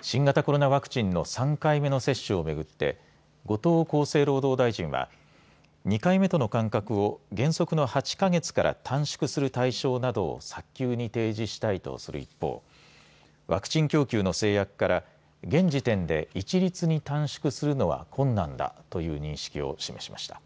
新型コロナワクチンの３回目の接種を巡って後藤厚生労働大臣は２回目との間隔を原則の８か月から短縮する対象などを早急に提示したいとする一方、ワクチン供給の制約から現時点で一律に短縮するのは困難だという認識を示しました。